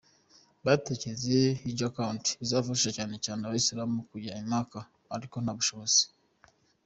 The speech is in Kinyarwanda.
Batekereje “Hidja Account” izafasha cyane cyane abayisilamu bifuza kujya i Maka ariko nta bushobozi.